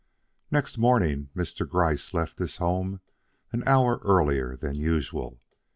Next morning Mr. Gryce left his home an hour earlier than usual.